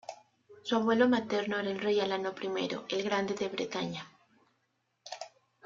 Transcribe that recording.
Su abuelo materno era el rey Alano I el Grande de Bretaña.